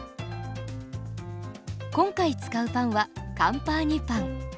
今回使うパンはカンパーニュパン。